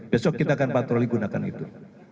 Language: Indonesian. besok kita akan patroli gunakan itu